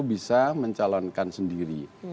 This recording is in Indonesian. bisa mencalonkan sendiri